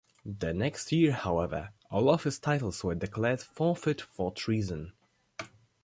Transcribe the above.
The next year, however, all of his titles were declared forfeit for treason.